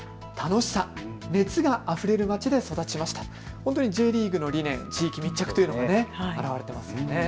本当にＪリーグの理念、地域密着というの、表れていますね。